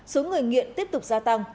số người nghiện tiếp tục gia tăng